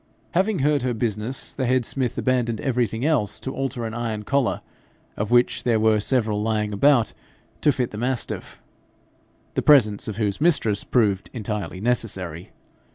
Having heard her business, the head smith abandoned everything else to alter an iron collar, of which there were several lying about, to fit the mastiff, the presence of whose mistress proved entirely necessary.